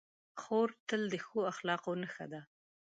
خور تل د ښو اخلاقو نښه ده.